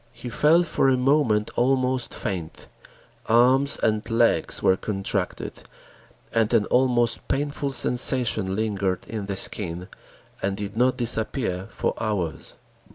He felt for a moment almost faint; arms and legs were contracted and an almost painful sensation lingered in the skin, and did not disappear for hours.